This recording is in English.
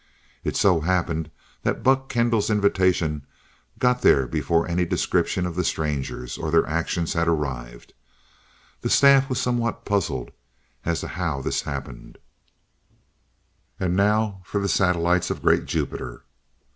It so happened that Buck Kendall's invitation got there before any description of the Strangers, or their actions had arrived. The staff was somewhat puzzled as to how this happened And now for the satellites of great Jupiter.